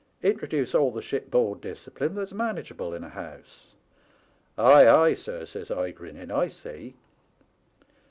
Introduce all the ship board discipline that's manageable in a house.' "' Ay, ay, sir,' says I, grinning, ' I see.'